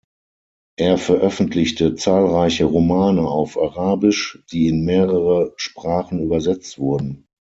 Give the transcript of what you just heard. Er veröffentlichte zahlreiche Romane auf Arabisch, die in mehrere Sprachen übersetzt wurden.